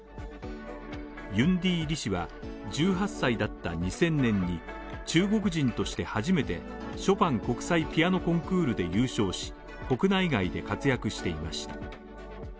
ユンディ・リ氏は１８歳だった２０００年に中国人として初めてショパン国際ピアノコンクールで優勝し、国内外で活躍していました。